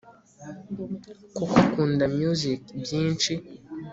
koko akunda music byinshi